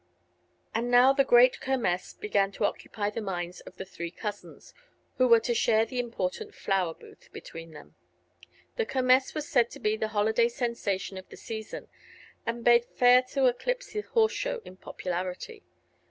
And now the great Kermess began to occupy the minds of the three cousins, who were to share the important "Flower Booth" between them. The Kermess was to be the holiday sensation of the season and bade fair to eclipse the horse show in popularity.